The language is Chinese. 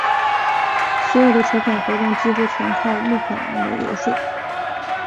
所有的筹款活动几乎全靠募款人的游说。